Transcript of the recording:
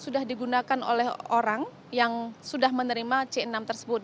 sudah digunakan oleh orang yang sudah menerima c enam tersebut